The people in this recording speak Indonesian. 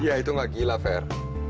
ya itu gak gila fer